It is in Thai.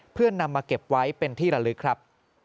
เพื่อนำมาเก็บไว้เป็นที่ระลึกครับ